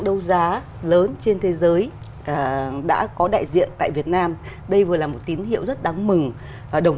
đấu giá lớn trên thế giới đã có đại diện tại việt nam đây vừa là một tín hiệu rất đáng mừng và đồng